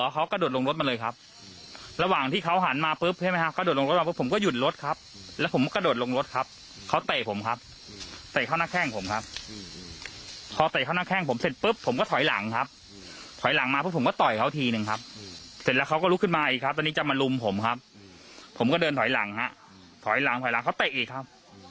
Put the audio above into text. เขาเตะอีกครับเสร็จแล้วก็เป็นไปตามกล้องนะครับ